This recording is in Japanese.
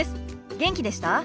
元気でした？